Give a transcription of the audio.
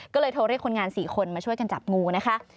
ก็เลยโทรเรียกคนงาน๔คนมาช่วยกันจับงูนะคะ